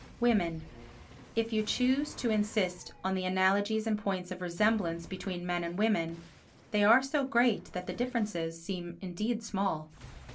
Women If you choose to insist on the analogies and points of resemblance between men and women, they are so great that the differences seem indeed small.